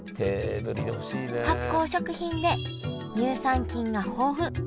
発酵食品で乳酸菌が豊富。